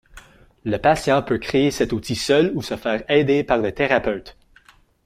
Le patient peut créer cet outil seul ou se faire aider par le thérapeute.